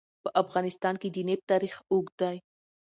په افغانستان کې د نفت تاریخ اوږد دی.